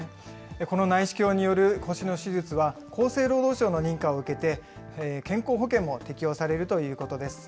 この内視鏡による腰の手術は、厚生労働省の認可を受けて、健康保険も適用されるということです。